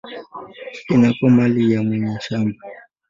inakuwa mali ya mwenye shamba.